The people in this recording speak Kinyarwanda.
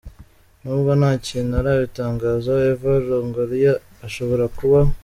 Nubwo ntakintu arabitangazaho Eva Longoria ashobora kuba.